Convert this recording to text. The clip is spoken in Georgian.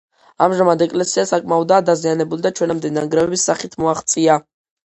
ამჟამად ეკლესია საკმაოდაა დაზიანებული და ჩვენამდე ნანგრევების სახით მოაღწია.